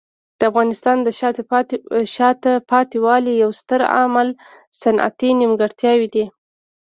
د افغانستان د شاته پاتې والي یو ستر عامل صنعتي نیمګړتیاوې دي.